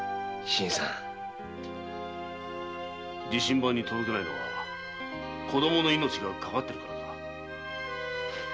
「自身番」に届けないのは子供の命がかかっているからか？